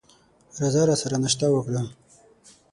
راځه راسره ناشته وکړه !